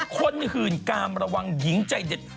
หื่นกามระวังหญิงใจเด็ด